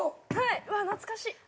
うわっ懐かしい。